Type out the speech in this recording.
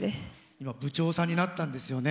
今部長さんになったんですよね。